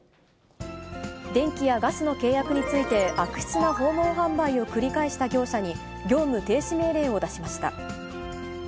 電気やガスの契約について、悪質な訪問販売を繰り返した業者に、業務停止命令を出しました。